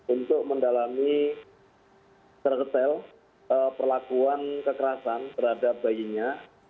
untuk mendalami secara detail perlakuan kekerasan terhadap bayinya